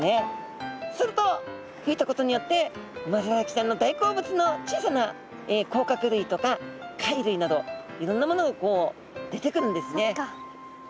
すると吹いたことによってウマヅラハギちゃんの大好物の小さな甲殻類とか貝類などいろんなものが出てくるんですね。